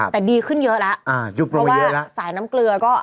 แต่ดีขึ้นเยอะแล้วเพราะว่าสายน้ำเกลือก็